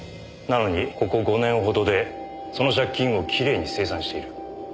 なのにここ５年ほどでその借金をきれいに清算している。